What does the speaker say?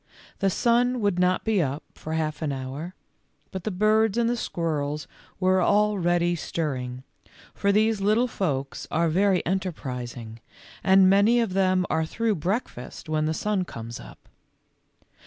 The sun would not be up for half an hour, but the birds and the squirrels were already stirring, for these little folks are very enterprising, and many of them are through breakfast when the sun comes up.